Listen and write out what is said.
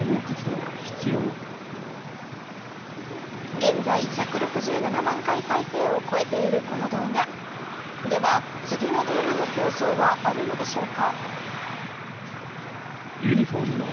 現在、１６７万回再生を超えているこの動画では、次の動画の構想はあるのでしょうか。